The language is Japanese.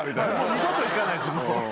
二度と行かない。